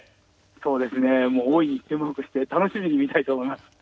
☎そうですね大いに注目して楽しみに見たいと思います。